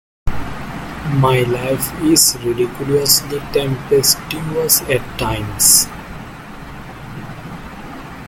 My life is ridiculously tempestuous at times.